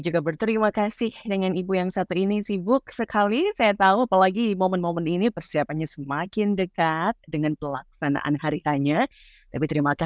kabar baik puji tuhan sehat sehat